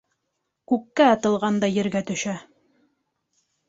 Күккә атылған да ергә төшә.